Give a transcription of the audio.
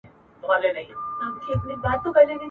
ما منلی یې په عقل کی سردار یې ..